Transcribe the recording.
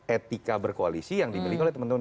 etika berkoalisi yang dimiliki oleh teman teman